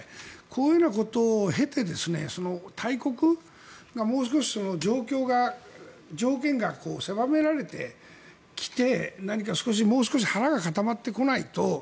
こういうことを経て大国がもう少し状況、条件が狭められてきて何かもう少し腹が固まってこないと。